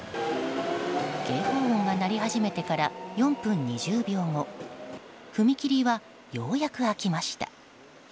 警報音が鳴り始めてから４分２０秒後踏切はようやく開きました。